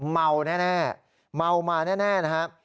เมาแน่เมามาแน่นะครับ